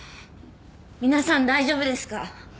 皆さん大丈夫ですか？